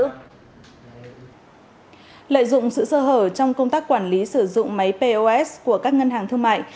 lợi dụng sự sơ hở trong công tác quản lý sử dụng máy pos của các ngân hàng thương mại